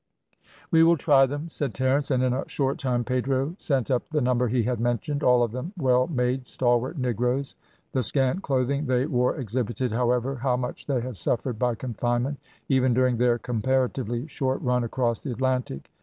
"We will try them," said Terence, and in a short time Pedro sent up the number he had mentioned, all of them well made, stalwart negroes. The scant clothing they wore exhibited, however, how much they had suffered by confinement, even during their comparatively short run across the Atlantic.